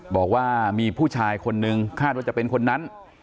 บอกว่ามีผู้ชายคนนึงคาดว่าจะเป็นคนนั้น